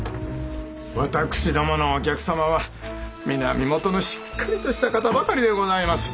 私どものお客様は皆身元のしっかりとした方ばかりでございます。